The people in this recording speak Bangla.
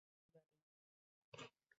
এখানে একটি ছোট বাড়ি করে যাব এইবারেই।